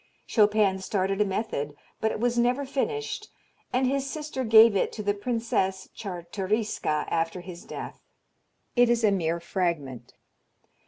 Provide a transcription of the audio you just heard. Chopin started a method but it was never finished and his sister gave it to the Princess Czartoryska after his death. It is a mere fragment.